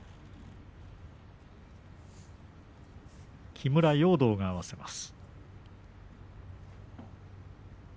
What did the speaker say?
木村容堂が合わせます。